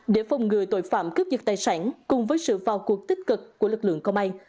để phòng ngừa tội phạm cướp vật tài sản cùng với sự vào cuộc tích cực của lực lượng công an